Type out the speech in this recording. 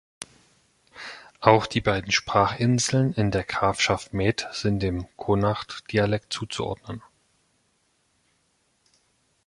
Auch die beiden Sprachinseln in der Grafschaft Meath sind dem Connacht-Dialekt zuzuordnen.